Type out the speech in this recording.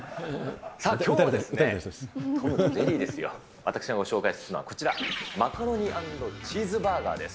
きょうはですね、トムとジェリーですよ、私がご紹介するのはこちら、マカロニ＆チーズバーガーです。